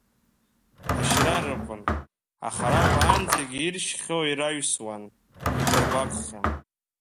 Ашьра рықәын, аха ара уаанӡагьы иршьхьоу ираҩсуан, идыргәаҟхьан.